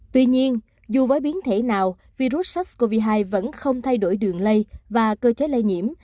tuy nhiên dù với biến thể nào virus sars cov hai vẫn không thay đổi đường lây và cơ chế lây nhiễm